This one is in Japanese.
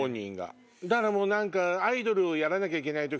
だからもう何か。